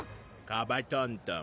カバトントン！